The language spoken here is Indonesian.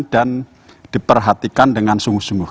dan diperhatikan dengan sungguh sungguh